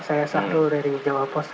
saya satu dari jawa post